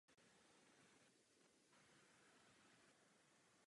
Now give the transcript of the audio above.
Jsou to dvoudomé rostliny.